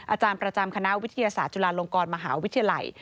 อาจารย์ประจำคณะวิทยาศาสตร์จุฬาลงกรมหาวิทยาลัย